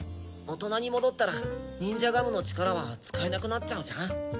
大人に戻ったらニンジャガムの力は使えなくなっちゃうじゃん。